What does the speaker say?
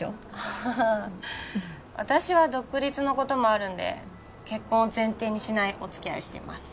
ああ私は独立のこともあるんで結婚を前提にしないお付き合いをしています